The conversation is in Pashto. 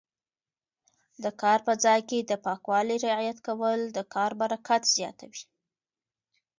د کار په ځای کې د پاکوالي رعایت کول د کار برکت زیاتوي.